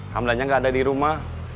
hamdannya nggak ada di rumah